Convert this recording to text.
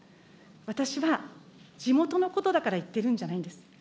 私は地元のことだから言ってるんじゃないんです。